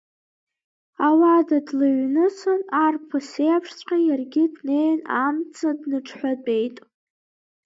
Ауада длыҩнысын, арԥыс иеиԥшҵәҟьа, иаргьы днеины амца дныҽҳәатәеит.